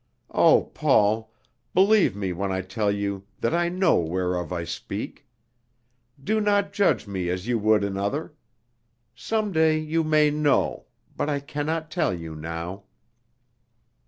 Oh, Paul, believe me when I tell you that I know whereof I speak. Do not judge me as you would another; some day you may know, but I can not tell you now."